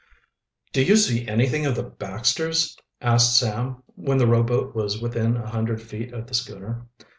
"Do you see anything of the Baxters?" asked Sam, when the rowboat was within a hundred feet of the schooner.